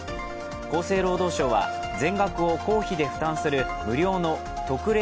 厚生労働省は全額を公費で負担する無料の特例